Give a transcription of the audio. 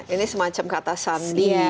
ini semacam kata sandi